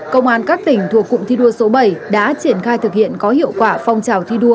công an các tỉnh thuộc cụm thi đua số bảy đã triển khai thực hiện có hiệu quả phong trào thi đua